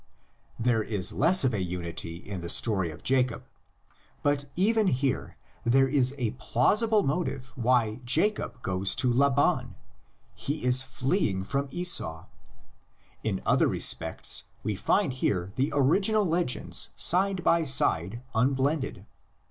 There is less of unity in the story of Jacob; but even here there is a plausible motive why Jacob goes to Laban: he is fleeing from Esau. In other respects we find here the original legends side by side unblended.